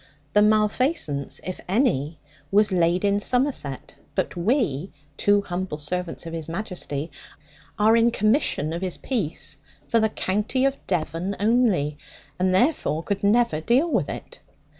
The mal feasance (if any) was laid in Somerset; but we, two humble servants of His Majesty, are in commission of his peace for the county of Devon only, and therefore could never deal with it.'